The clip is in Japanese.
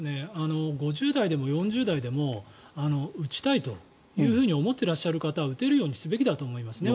５０代でも４０代でも打ちたいと思っていらっしゃる方は打てるようにするべきだと思いますね。